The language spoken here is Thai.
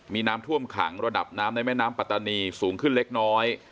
มีน้ำท่วมขังระดับน้ำในแม่น้ำปัตตานีสูงขึ้นเล็กน้อย